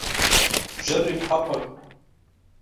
جرب حظك.